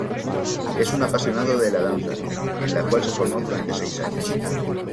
Es un apasionado de la danza, en la cual se formó durante seis años.